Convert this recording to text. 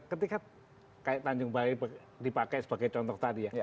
ketika kayak tanjung balai dipakai sebagai contoh tadi ya